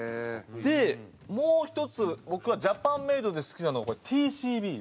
でもう１つ僕はジャパンメイドで好きなのがＴＣＢ。